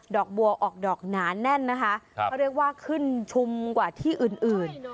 อกบัวออกดอกหนาแน่นนะคะเขาเรียกว่าขึ้นชุมกว่าที่อื่นอื่น